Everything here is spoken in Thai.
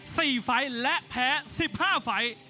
เสมอ๔ฝ่ายและแพ้๑๕ฝ่าย